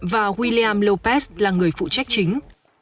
và william lopez là người phụ trách chính